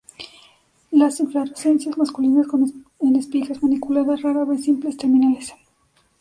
Las inflorescencias masculinas en espigas paniculadas, rara vez simples, terminales.